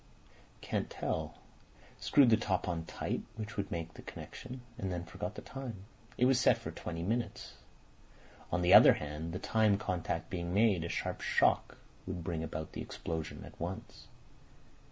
"Can't tell. Screwed the top on tight, which would make the connection, and then forgot the time. It was set for twenty minutes. On the other hand, the time contact being made, a sharp shock would bring about the explosion at once.